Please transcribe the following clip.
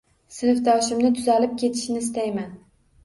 Sinfdoshimni tuzalib ketishini istayman